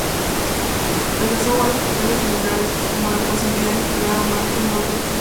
Rechazó varios papeles similares, como la posibilidad de interpretar a Martin Luther King.